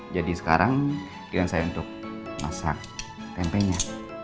jadi sekarang kirim saya untuk masak tempenya